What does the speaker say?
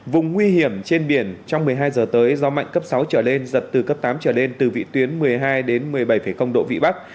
vùng nguy hiểm trên biển trong một mươi hai giờ tới gió mạnh cấp sáu trở lên giật từ cấp tám trở lên từ vị tuyến một mươi hai một mươi bảy độ vị bắc